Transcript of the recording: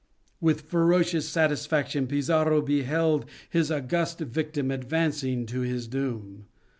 With ferocious satisfaction Pizarro beheld his august victim advancing to his doom.